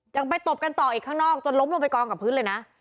ยังไปตบกันต่ออีกข้างนอกจนล้มลงไปกองกับพื้นเลยนะ